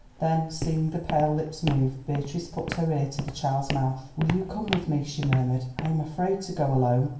Then seeing the pale lips move, Beatrice put her ear to the child's mouth. "Will you come with me?" she murmured; "I am afraid to go alone."